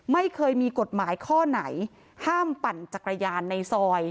ไม่เคยมีกฎหมายข้อไหนห้ามปั่นจักรยานในซอย